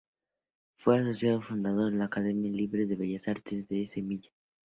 Fue socio fundador de la Academia libre de Bellas Artes de Sevilla.